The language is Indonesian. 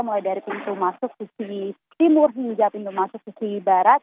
mulai dari pintu masuk sisi timur hingga pintu masuk sisi barat